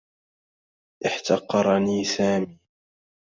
احتقرني سامي.